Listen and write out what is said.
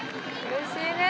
うれしいね。